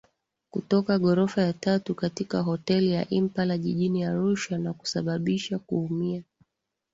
kutoka ghorofa ya tatu katika hoteli ya Impala jijini Arusha na kusababisha kuumia